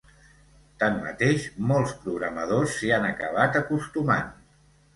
Tanmateix, molts programadors s'hi han acabat acostumant.